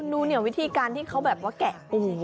ดูเนี่ยวิธีการที่เขาแบบว่าแกะปู